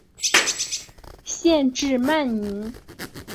县治曼宁。